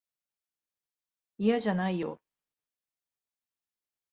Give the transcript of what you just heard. いやじゃないよ。